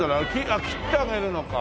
あっ切ってあげるのか。